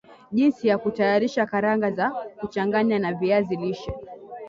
Jinsi ya kutayarisha karanga za kuchanganya na viazi lishe